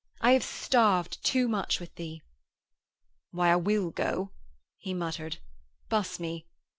I have starved too much with thee.' 'Why, I will go,' he muttered. 'Buss me.